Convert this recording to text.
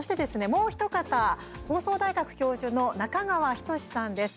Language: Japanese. もう一方放送大学教授の中川一史さんです。